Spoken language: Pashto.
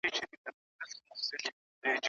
کله چې خلک واورېدل شي، اختلاف کمېږي.